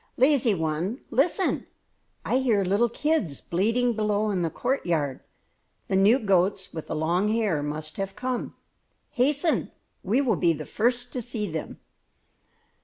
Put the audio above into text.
"Lazy one, listen! I hear little kids bleating below in the courtyard; the new goats with the long hair must have come. Hasten! We will be the first to see them!"